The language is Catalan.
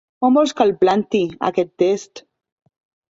On vols que el planti, aquest test?